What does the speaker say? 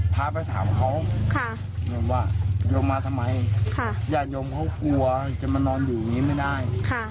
พาไปถามเขาว่ายงมาทำไมอย่ายงเขากลัวจะมานอนอยู่นี้ไม่ได้